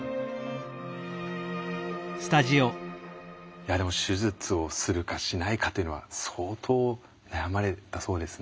いやでも手術をするかしないかというのは相当悩まれたそうですね。